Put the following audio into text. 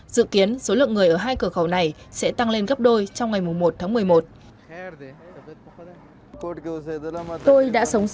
dự kiến số lượng người ở hai cửa khẩu này sẽ tăng lên gấp đôi trong ngày một tháng một mươi một